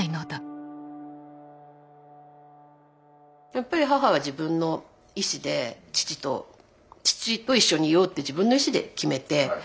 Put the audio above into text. やっぱり母は自分の意志で父と父と一緒にいようって自分の意志で決めて。